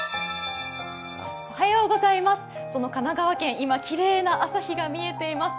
その神奈川県、今、きれいな朝日が見えています。